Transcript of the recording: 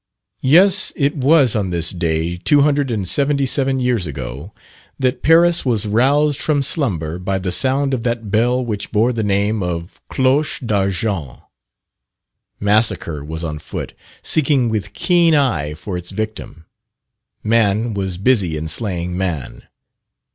Yes, it was on this day, two hundred and seventy seven years ago, that Paris was roused from slumber by the sound of that bell which bore the name of cloche d'argent. Massacre was on foot, seeking with keen eye for its victim man was busy in slaying man.